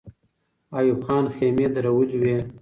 ایوب خان خېمې درولې وې.